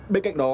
bên cạnh đó